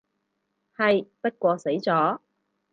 係，不過死咗